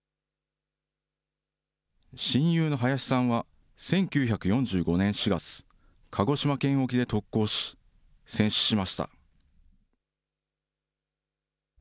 親友の林さんは１９４５年４月、鹿児島県沖で特攻し、戦死しました。